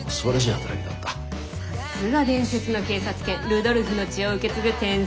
さすが伝説の警察犬ルドルフの血を受け継ぐ天才警察犬ね！